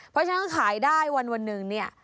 เพราะฉะนั้นขายได้วันหนึ่งเนี่ย